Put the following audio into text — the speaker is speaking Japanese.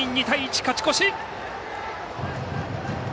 ２対１、勝ち越し！